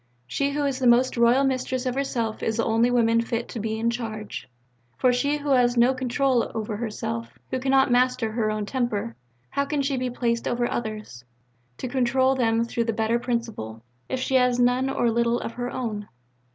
"She who is the most royal mistress of herself is the only woman fit to be in charge; for she who has no control over herself, who cannot master her own temper, how can she be placed over others, to control them through the better principle, if she has none or little of her own?"